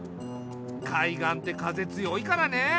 海岸って風強いからね。